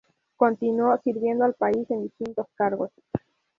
Continuó sirviendo al país en distintos cargos.